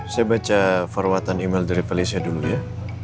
saya baca perwatan email dari felicia dulu ya